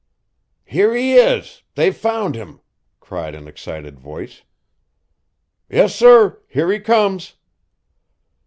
"Here he is! they've found him," cried an excited voice. "Yes, sir! here he comes!"